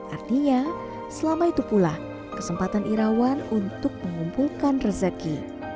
artinya selama itu pula kesempatan irawan untuk mengumpulkan rezeki